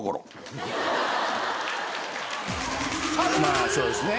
まあそうですね。